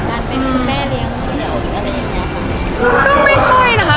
ก็ไม่ค่อยนะคะ